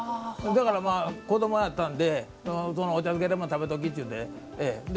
だから、子どもだったのでお茶漬けでも食べときちゅって。